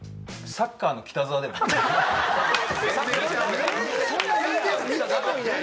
サッカーの北澤２でいい？